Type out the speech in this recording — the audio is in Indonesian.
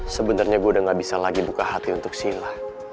sebenarnya gue udah gak bisa lagi buka hati untuk sila